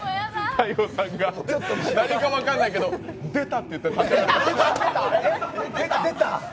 大悟さんが、何か分かんないけど、「出た」って言ってた。